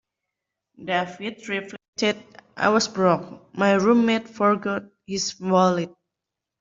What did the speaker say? David reflected: I was broke, my roommate forgot his wallet.